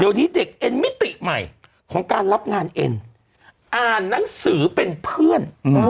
เดี๋ยวนี้เด็กเอ็นมิติใหม่ของการรับงานเอ็นอ่านหนังสือเป็นเพื่อน